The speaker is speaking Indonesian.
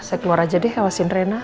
saya keluar aja deh hewasin rena